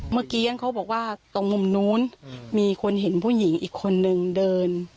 เมื่อกี้เขาบอกว่าตรงมุมนู้นมีคนเห็นผู้หญิงอีกคนนึงเดิน